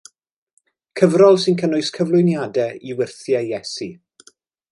Cyfrol sy'n cynnwys cyflwyniadau i wyrthiau Iesu.